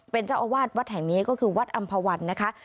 เป็นเจ้าอาวาสวัดแห่งนี้ก็คือวัดอำภาวันนะคะ